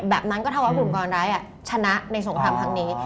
แบบมั้นก็เท่าว่ากลุ่มกลางร้ายชนะในสงครามทางนี้